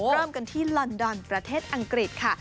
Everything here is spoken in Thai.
เริ่มกันที่ลอนดอนประเทศอังกฤษค่ะ